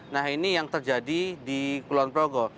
nah ini yang terjadi di kulon progo